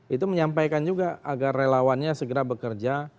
itu menyampaikan juga agar relawannya segera bekerja